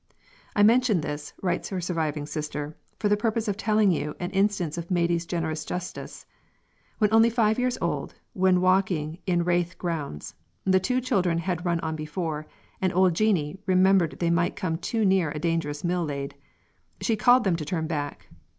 "I mention this," writes her surviving sister, "for the purpose of telling you an instance of Maidie's generous justice. When only five years old, when walking in Raith grounds, the two children had run on before, and old Jeanie remembered they might come too near a dangerous mill lade. She called to them to turn back.